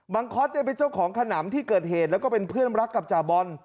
คอสเป็นเจ้าของขนำที่เกิดเหตุแล้วก็เป็นเพื่อนรักกับจ่าบอล